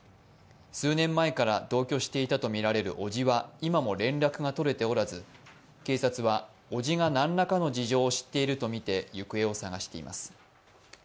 数年前から同居していたとみられる叔父は今も連絡が取れておらず、警察は伯父が何らかの事情を知っているとみて行方を捜しています。